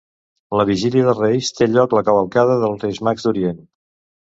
La vigília de Reis té lloc la cavalcada dels Reis Mags d'Orient.